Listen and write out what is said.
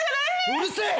うるせえ！